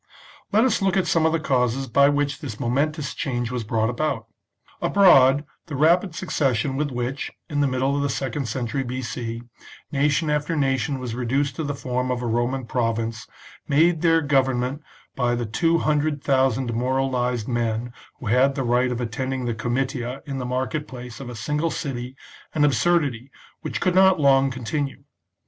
Let us look at some of the causes by which this momentous change was brought about. Abroad, the rapid succession with which, in the middle of the second century B.C., nation after nation was reduced to the form of a Roman province, made their govern ment by the two hundred thousand demoralised men who had the right of attending the comitia in the market place of a single city, an absurdity which could not long continue.